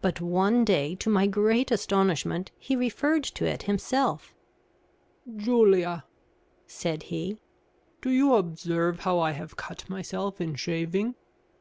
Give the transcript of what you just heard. But one day, to my great astonishment, he referred to it himself. "Julia," said he, "do you observe how I have cut myself in shaving?"